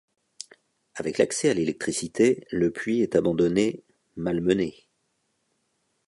Avec l’accès à l’électricité, le puits est abandonné, malmené.